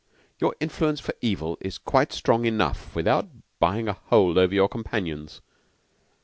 "Your influence for evil is quite strong enough without buying a hold over your companions."